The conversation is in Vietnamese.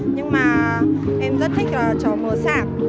nhưng mà em rất thích là trò mở sạc